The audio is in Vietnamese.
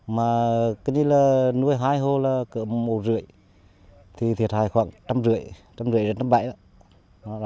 mà cái như là nuôi hai hồ là cỡ một năm thì thiệt hại khoảng trăm rưỡi trăm rưỡi đến trăm bảy đó